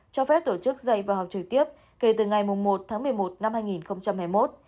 cho phép tổ chức dạy và học trực tiếp kể từ ngày một tháng một mươi một năm hai nghìn hai mươi một